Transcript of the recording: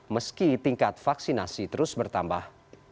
meski tingkat vaksinasi terus bertambah